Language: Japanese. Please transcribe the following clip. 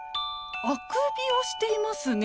あくびをしていますね。